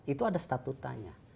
itu ada statutanya